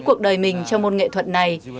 cuộc đời mình cho một nghệ thuật này